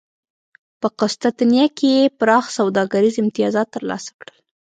په قسطنطنیه کې یې پراخ سوداګریز امتیازات ترلاسه کړل